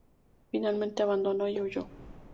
Finalmente abandonó y huyó.